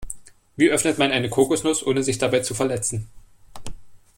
Wie öffnet man eine Kokosnuss, ohne sich dabei zu verletzen?